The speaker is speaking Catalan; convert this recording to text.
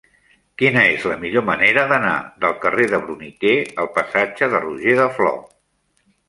Quina és la millor manera d'anar del carrer de Bruniquer al passatge de Roger de Flor?